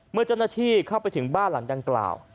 เมื่อเจ้าหน้าที่เข้าไปถึงบ้านหลังดังกล่าว